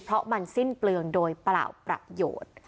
เพราะมันวิเคราะห์สิ้นเปลืองโดยเปล่าประโยชน์